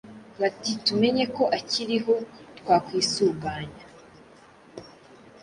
Bati “Tumenye ko akiriho twakwisuganya